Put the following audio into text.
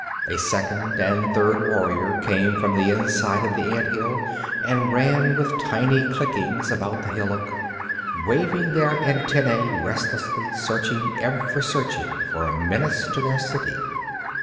A second and third warrior came from the inside of the ant hill, and ran with tiny clickings about the hillock, waving their antennæ restlessly, searching, ever searching for a menace to their city.